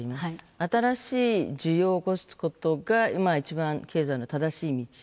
新しい需要を起こすことが、今、一番経済の正しい道。